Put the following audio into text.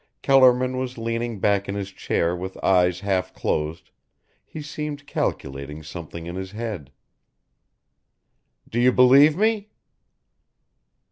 Kellerman was leaning back in his chair with eyes half closed, he seemed calculating something in his head. "D' you believe me?"